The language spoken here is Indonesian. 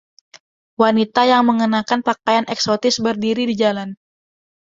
Wanita yang mengenakan pakaian eksotis berdiri di jalan